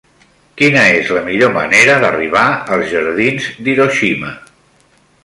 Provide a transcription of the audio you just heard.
Quina és la millor manera d'arribar als jardins d'Hiroshima?